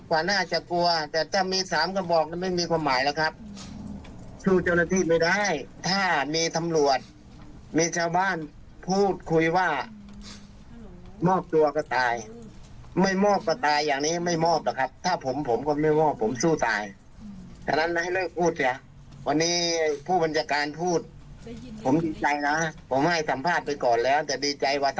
วันนี้ผู้บัญชาการพูดผมดีใจนะผมให้สัมภาษณ์ไปก่อนแล้ว